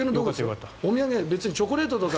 お土産別にチョコレートとか。